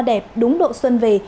đẹp đúng độ xuân về